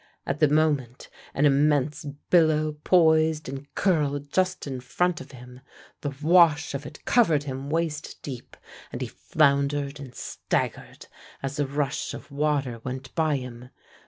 At the moment an immense billow poised and curled just in front of him. The wash of it covered him waist deep and he floundered and staggered as the rush of water went by him.